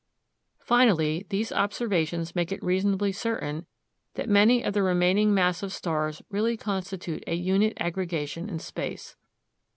Finally, these observations make it reasonably certain that many of the remaining mass of stars really constitute a unit aggregation in space.